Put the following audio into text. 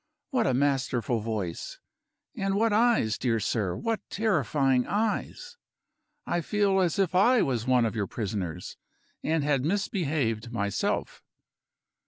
What a masterful voice! and what eyes, dear sir; what terrifying eyes! I feel as if I was one of your prisoners, and had misbehaved myself."